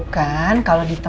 gak ada apa apa